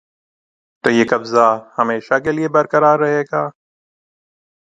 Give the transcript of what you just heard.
تو یہ قبضہ ہمیشہ کیلئے برقرار رہے گا؟